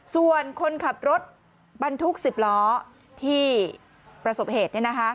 ส่วนคนขับรถบรรทุก๑๐ล้อที่ประสบเหตุ